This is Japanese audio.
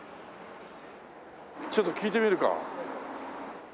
ちょっと聞いてみるか。